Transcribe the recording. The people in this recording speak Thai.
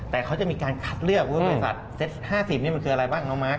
แต่เขาจะมีการคัดเลือกว่าบริษัทเซต๕๐นี่มันคืออะไรบ้างน้องมาร์ค